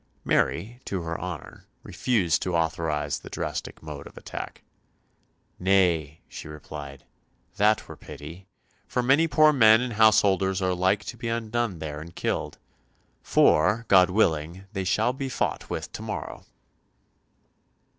Mary, to her honour, refused to authorise the drastic mode of attack. "Nay," she replied, "that were pity; for many poor men and householders are like to be undone there and killed. For, God willing, they shall be fought with to morrow."